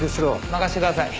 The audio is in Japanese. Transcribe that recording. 任せてください。